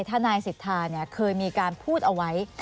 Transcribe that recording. ทนายสิทธาเคยมีการพูดเอาไว้